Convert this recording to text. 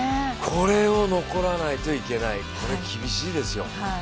これを残らないといけない、これ厳しいですよ。